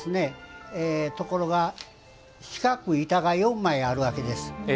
ところが四角い板が４枚あるわけです。